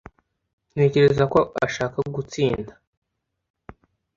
Ntekereza ko ashaka gutsinda